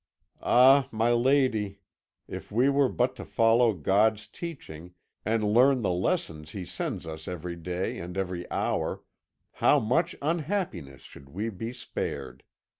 Ah, my lady, if we were but to follow God's teaching, and learn the lessons He sends us every day and every hour, how much unhappiness should we be spared!